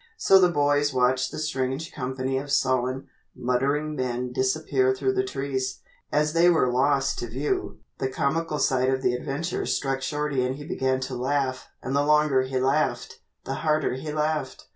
So the boys watched the strange company of sullen, muttering men disappear through the trees. As they were lost to view, the comical side of the adventure struck Shorty and he began to laugh and the longer he laughed, the harder he laughed.